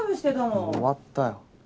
もう終わったよ。